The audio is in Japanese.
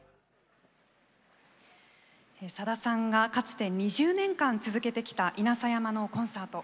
さださんがかつて２０年間続けてきた稲佐山のコンサート。